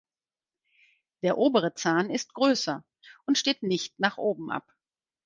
Der obere Zahn ist größer und steht nicht nach oben ab.